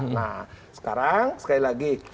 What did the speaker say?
nah sekarang sekali lagi